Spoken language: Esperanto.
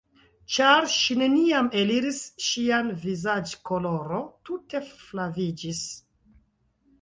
Ĉar ŝi neniam eliris, ŝia vizaĝkoloro tute flaviĝis.